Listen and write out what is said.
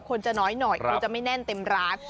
คนจะน้อยหน่อยคงจะไม่แน่นเต็มร้าน